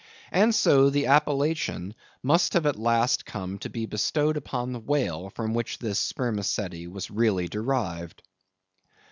And so the appellation must at last have come to be bestowed upon the whale from which this spermaceti was really derived.